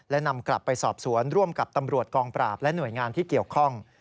และนำกลับไปสอบสวนร่วมกับตำรวจกองปราบและหน่วยงานที่เกี่ยวข้อง